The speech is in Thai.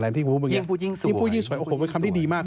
อะไรที่พูดมึงเนี่ยยิ่งพูดยิ่งสวยยิ่งพูดยิ่งสวยโอ้โหเป็นคำที่ดีมาก